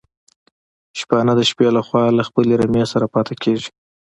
شپانه د شپې لخوا له خپلي رمې سره پاتي کيږي